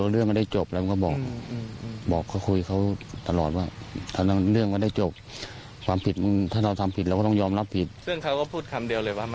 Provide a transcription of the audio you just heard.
เรื่องเขาก็พูดคำเดียวเลยว่าไม่ได้ทำ